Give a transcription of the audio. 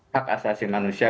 hak asasi manusia